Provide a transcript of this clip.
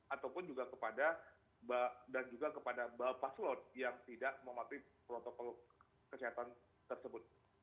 ataupun juga kepada dan juga kepada bapak slot yang tidak mematuhi protokol kesehatan tersebut